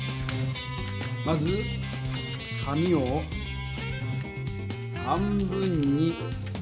まず紙を半分におる。